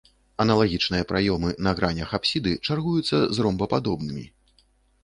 Аналагічныя праёмы на гранях апсіды чаргуюцца з ромбападобнымі.